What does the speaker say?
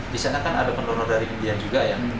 di sana kan ada pendonor dari india juga ya